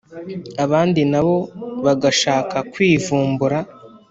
abandi na bo bagashaka kwivumbura